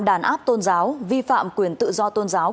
đàn áp tôn giáo vi phạm quyền tự do tôn giáo